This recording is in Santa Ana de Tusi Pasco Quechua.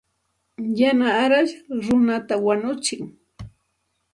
Yana arash runata wañutsin.